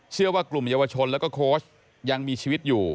เชื่อว่ากลุ่มเยาวชนแล้วก็โค้ชยังมีชีวิตอยู่